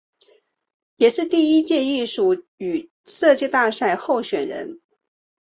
也是第一届艺术与设计大奖赛候选人。